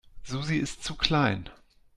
Susi ist zu klein.